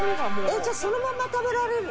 じゃそのまま食べられるの？